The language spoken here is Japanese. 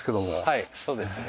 はいそうですね。